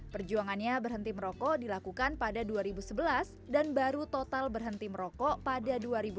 perjuangannya berhenti merokok dilakukan pada dua ribu sebelas dan baru total berhenti merokok pada dua ribu dua belas